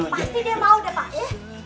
pasti dia mau deh pak ya